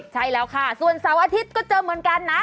ใช่แล้วค่ะส่วนเสาร์อาทิตย์ก็เจอเหมือนกันนะ